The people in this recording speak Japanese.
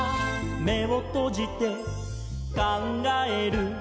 「めをとじてかんがえる」